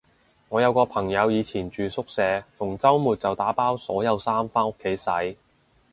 我有個朋友以前住宿舍，逢周末就打包所有衫返屋企洗